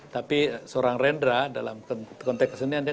tapi seorang rendra dalam konteks kesenian